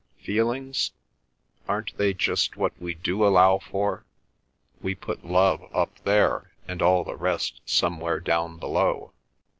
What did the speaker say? "Feelings? Aren't they just what we do allow for? We put love up there, and all the rest somewhere down below."